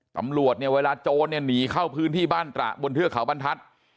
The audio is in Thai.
ตำรวจเนี่ยเวลาโจรเนี่ยหนีเข้าพื้นที่บ้านตระบนเทือกเขาบรรทัศน์